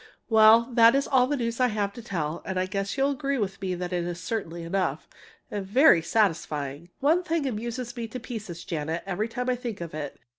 Well, that is all the news I have to tell, and I guess you'll agree with me that it certainly is enough and very satisfying! One thing amuses me to pieces, Janet, every time I think of it.